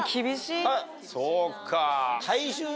そうか。